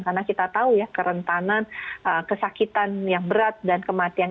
karena kita tahu ya kerentanan kesakitan yang berat dan kematian